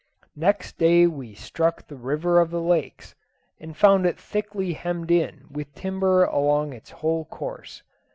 Next day we struck the river of the lakes, and found it thickly hemmed in with timber along its whole course.